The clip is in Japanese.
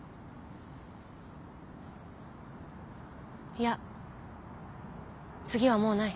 いや次はもうない。